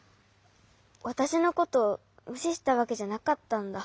わたしのことむししたわけじゃなかったんだ。